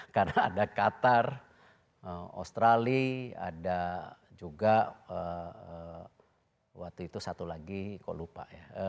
karena ada qatar australia ada juga waktu itu satu lagi kok lupa ya